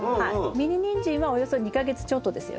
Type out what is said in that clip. ミニニンジンはおよそ２か月ちょっとですよね。